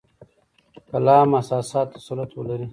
کلام اساساتو تسلط ولري.